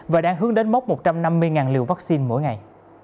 và đang hướng đến mốc một trăm năm mươi liều vaccine mỗi ngày